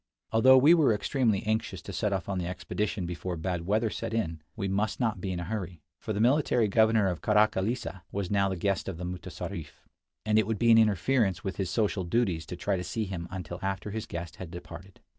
Although we were extremely anxious to set off on the expedition before bad weather set in, we must not be in a hurry, for the military governor of Karakillissa was now the guest of the mutessarif, and it would be an interference with his social duties to try to see him until after his guest had departed.